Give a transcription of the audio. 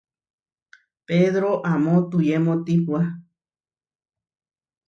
Pedró amó tuyemótipua.